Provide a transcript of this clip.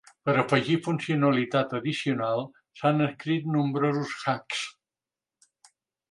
Per afegir funcionalitat addicional s'han escrit nombrosos "hacks".